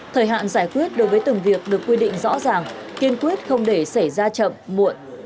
thời hạn giải quyết đối với từng việc được quy định rõ ràng kiên quyết không để xảy ra chậm muộn